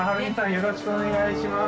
よろしくお願いします。